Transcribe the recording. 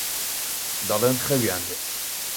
دەڵێن خەویان دێت.